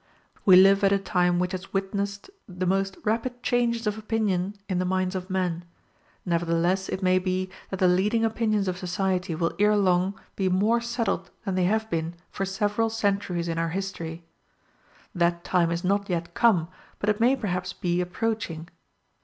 We live at a time which has witnessed the most rapid changes of opinion in the minds of men; nevertheless it may be that the leading opinions of society will ere long be more settled than they have been for several centuries in our history: that time is not yet come, but it may perhaps be approaching.